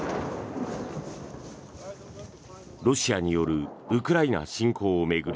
ロシアによるウクライナ侵攻を巡り